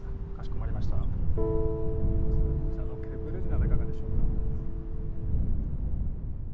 こちらのケープ・ルージュなどいかがでしょうか。